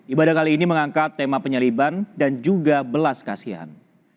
ibadah kali ini mengangkat tema penyaliban dan juga belas kasihan